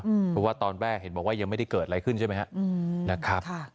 เพราะว่าตอนแรกเห็นบอกว่ายังไม่ได้เกิดอะไรขึ้นใช่ไหมครับนะครับ